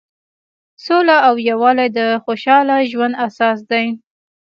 سوله او یووالی د خوشحاله ژوند اساس دی.